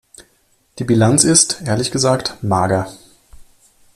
Die Bilanz ist, ehrlich gesagt, mager.